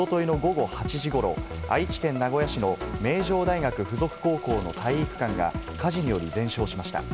おとといの午後８時ごろ、愛知県名古屋市の名城大学附属高校の体育館が火事により全焼しました。